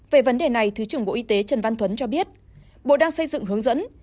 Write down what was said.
về vấn đề này thứ trưởng bộ y tế trần văn thuấn cho biết bộ đang xây dựng hướng dẫn